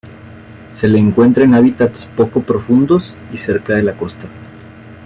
Se le encuentra en hábitats poco profundos y cerca de la costa.